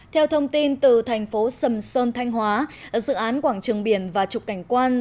theo thông tin từ thành phố sầm sơn thanh hóa dự án quảng trường biển và trục cảnh quan